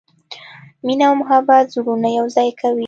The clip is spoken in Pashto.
مینه او محبت زړونه یو ځای کوي.